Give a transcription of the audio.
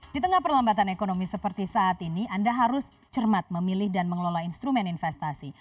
di tengah perlambatan ekonomi seperti saat ini anda harus cermat memilih dan mengelola instrumen investasi